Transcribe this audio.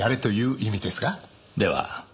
では